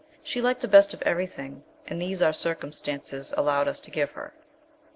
She liked the best of everything, and these our circumstances allowed us to give her.